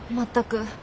全く。